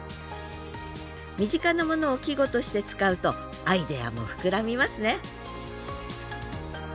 身近なものを季語として使うとアイデアも膨らみますね